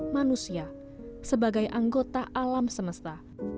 manusia sebagai anggota alam semesta